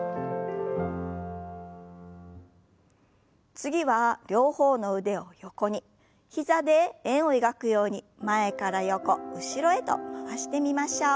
次は両方の腕を横に膝で円を描くように前から横後ろへと回してみましょう。